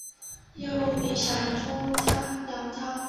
又名小朱鸟汤。